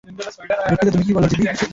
দুঃখিত, তুমি কি বললে যিপি?